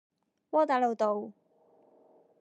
窩打老道